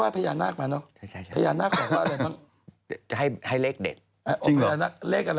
กระเทยเก่งกว่าเออแสดงความเป็นเจ้าข้าว